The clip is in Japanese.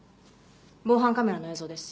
防犯カメラの映像です。